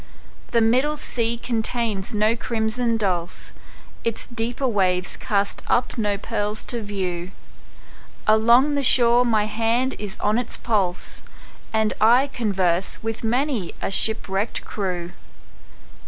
The middle sea contains no crimson dulse, Its deeper waves cast up no pearls to view; Along the shore my hand is on its pulse, And I converse with many a shipwrecked crew.